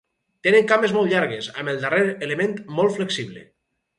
Tenen cames molt llargues amb el darrer element molt flexible.